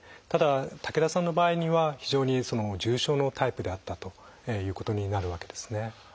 ただ竹田さんの場合には非常に重症のタイプであったということになるわけですね。